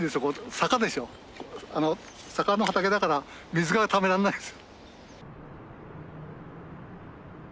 坂の畑だから水がためらんないんです。